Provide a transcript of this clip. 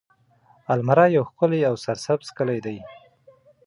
المره يو ښکلی او سرسبزه کلی دی.